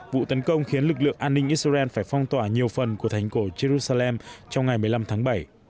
vụ tấn công khiến lực lượng an ninh israel phải phong tỏa nhiều phần của thành cổ jerusalem trong ngày một mươi năm tháng bảy